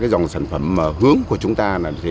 dòng sản phẩm hướng của chúng ta